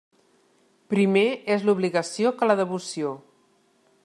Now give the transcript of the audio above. Primer és l'obligació que la devoció.